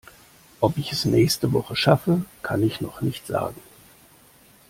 Ob ich es nächste Woche schaffe, kann ich noch nicht sagen.